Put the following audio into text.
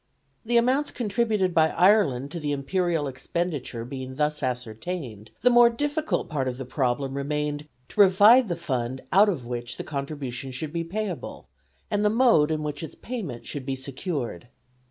The amount to be contributed by Ireland to the imperial expenditure being thus ascertained, the more difficult part of the problem remained to provide the fund out of which the contribution should be payable, and the mode in which its payment should be secured.